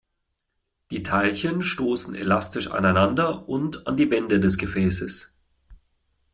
Die Teilchen stoßen elastisch aneinander und an die Wände des Gefäßes.